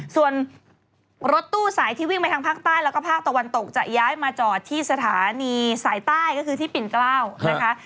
ส่วนรถตู้สายที่วิ่งไปทางภาคใต้แล้วก็ภาคตะวันตกจะย้ายมาจอดที่สถานีสายใต้ก็คือที่ปิ่นเกล้านะคะ